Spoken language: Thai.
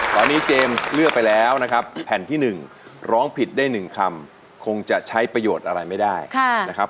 ตอนนี้เจมส์เลือกไปแล้วนะครับแผ่นที่๑ร้องผิดได้๑คำคงจะใช้ประโยชน์อะไรไม่ได้นะครับ